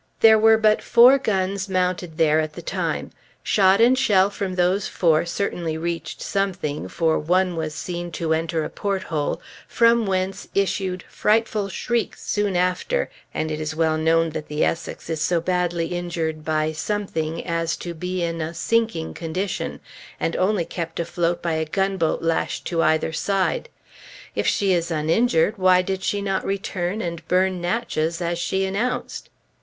There were but four guns mounted there at the time. Shot and shell from those four certainly reached something, for one was seen to enter a porthole, from whence issued frightful shrieks soon after, and it is well known that the Essex is so badly injured by "something" as to be in a sinking condition, and only kept afloat by a gunboat lashed on either side. If she is uninjured, why did she not return and burn Natchez as she announced?